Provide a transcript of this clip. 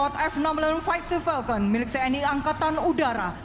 setelah ini enam pesawat f enam lone fighter falcon milik tni angkatan udara